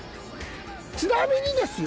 ちなみにですよ